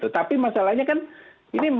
tapi masalahnya kan ini masih mahal